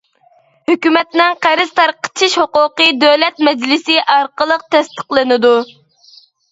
ھۆكۈمەتنىڭ قەرز تارقىتىش ھوقۇقى دۆلەت مەجلىسى ئارقىلىق تەستىقلىنىدۇ.